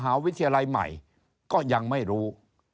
วิทยาลัยใหม่ก็ยังไม่รู้